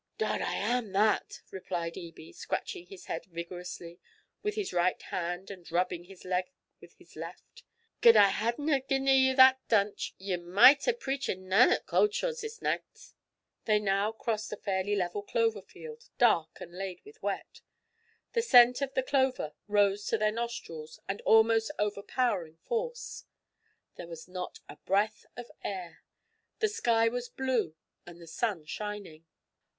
'Dod, I am that!' replied Ebie, scratching his head vigorously with his right hand and rubbing his leg with his left. 'Gin I hadna gi'en ye that dunch, ye micht hae preachen nane at Cauldshaws this nicht.' They now crossed a fairly level clover field, dark and laid with wet. The scent of the clover rose to their nostrils with almost overpowering force. There was not a breath of air. The sky was blue and the sun shining.